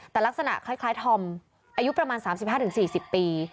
แต่ลักษณะคล้ายธอมอายุประมาณ๓๕๔๐ปี